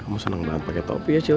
kamu seneng banget pake topi ya cil